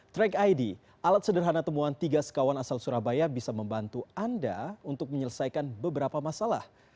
track id alat sederhana temuan tiga sekawan asal surabaya bisa membantu anda untuk menyelesaikan beberapa masalah